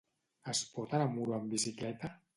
Es pot anar a Muro amb bicicleta?